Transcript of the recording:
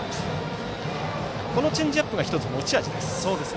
チェンジアップが１つ持ち味です。